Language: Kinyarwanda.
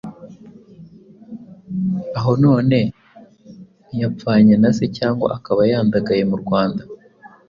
aho none ntiyapfanye na se cyangwa akaba yandagaye mu Rwanda